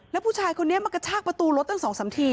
แล้วผู้ชายคนนี้มากระชากประตูรถตั้ง๒๓ที